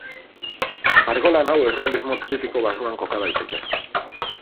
Margolan hau errealismo kritiko barruan koka daiteke.